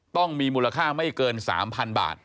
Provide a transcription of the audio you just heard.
ต้องมีมูลค่าไม่เกิน๓๐๐๐บาท